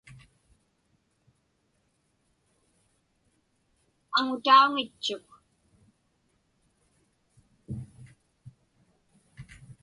Aŋutauŋitchuk.